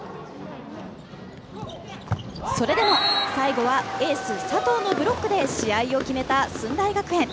それでも最後はエース佐藤のブロックで試合を決めた駿台学園。